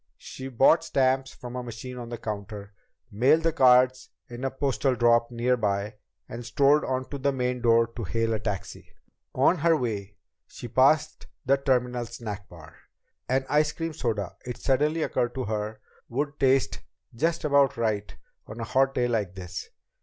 She bought stamps from a machine on the counter, mailed the cards in a postal drop nearby, and strolled on to the main door to hail a taxi. On her way, she passed the terminal snack bar. An ice cream soda, it suddenly occurred to her, would taste just about right on a hot day like this.